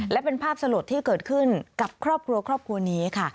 และเป็นภาพสลดที่เกิดขึ้นกับครอบครัวครอบครัวนี้ค่ะ